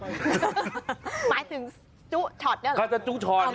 หมายถึงจุช็อตเนี่ยเหรอ